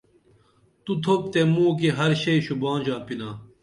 تو تُھوپ تے موں کی ہر شئی شوباں ژاپِنا